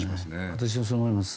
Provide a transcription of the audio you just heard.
私もそう思います。